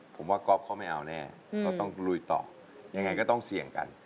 ผมว่าก๊อฟเขาไม่เอาแน่เขาต้องลุยต่อยังไงก็ต้องเสี่ยงกัน